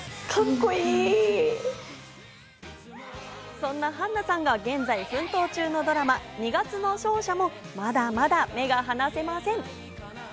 そんな絆菜さんが現在奮闘中のドラマ『二月の勝者』もまだまだ目が離せません。